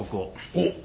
おっ。